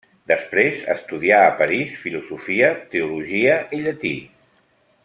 Després estudià a París filosofia, teologia i llatí.